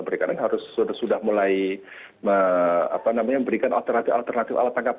pemerintahan harus sudah sudah mulai apa namanya memberikan alternatif alternatif alat tangkap